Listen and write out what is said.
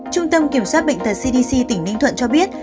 trung tâm kiểm soát bệnh tật cdc tỉnh ninh thuận cho biết